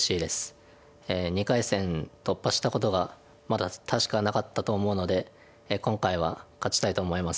２回戦突破したことがまだ確かなかったと思うので今回は勝ちたいと思います。